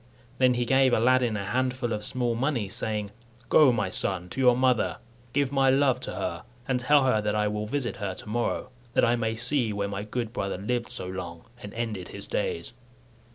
Then he gave Aladdin a handful of small money, saying, "Go, my son, to your mother, give my love to her, and tell her that I will visit her to morrow, that I may see where my good brother lived so long, and ended his days."